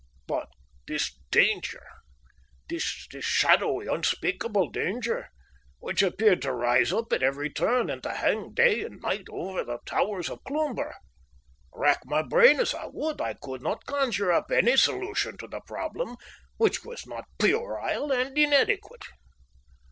But this danger this shadowy, unspeakable danger which appeared to rise up at every turn, and to hang day and night over the towers of Cloomber! Rack my brain as I would, I could not conjure up any solution to the problem which was not puerile and inadequate.